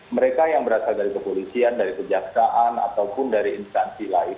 mereka yang berasal dari kepolisian dari kejaksaan ataupun dari instansi lain